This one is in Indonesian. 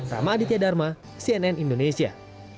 rama aditya dharma cnn indonesia